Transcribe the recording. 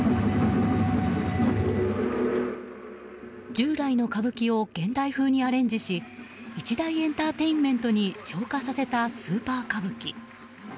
従来の歌舞伎を現代風にアレンジし一大エンターテインメントに昇華させた「スーパー歌舞伎」。